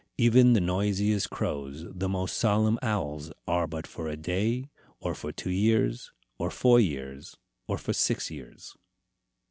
Even the noisiest crows, the most solemn owls, are but for a day, or for two years, or four years, or for six years.